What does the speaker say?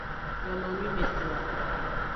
Nyononwimetoa.